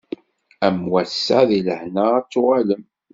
Am wass-a di lehna ad d-tuɣalem.